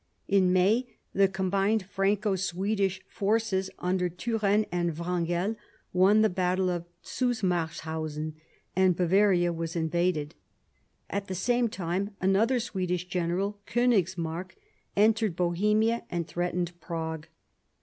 In May the combined Franco Swedish forces under Turenne and Wrangel won the battle of Zusmarshausen, and Bavaria was invaded. At the same time another Swedish general, Konigsmark, entered Bohemia and threatened Prague.